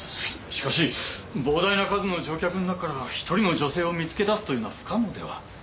しかし膨大な数の乗客の中から一人の女性を見つけ出すというのは不可能では？